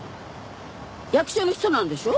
役所の人なんでしょ？